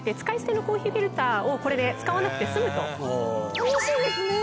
使い捨てのコーヒーフィルターをこれで使わなくて済むと。